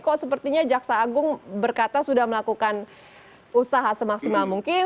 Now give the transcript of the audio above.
kok sepertinya jaksa agung berkata sudah melakukan usaha semaksimal mungkin